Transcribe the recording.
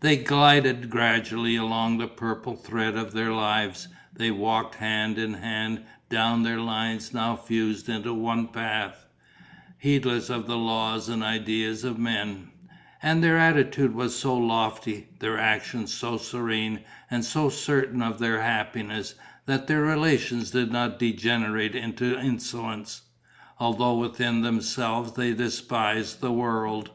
They glided gradually along the purple thread of their lives, they walked hand in hand down their lines now fused into one path, heedless of the laws and ideas of men; and their attitude was so lofty, their action so serene and so certain of their happiness, that their relations did not degenerate into insolence, although within themselves they despised the world.